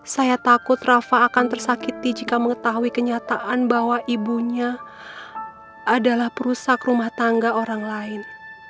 saya takut rafa akan tersakiti jika mengetahui kenyataan bahwa ibunya adalah perusak rumah tangga orang lain